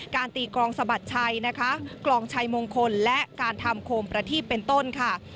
ตีกรองสะบัดชัยนะคะกลองชัยมงคลและการทำโคมประทีปเป็นต้นค่ะ